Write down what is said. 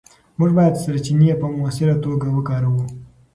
موږ باید سرچینې په مؤثره توګه وکاروو.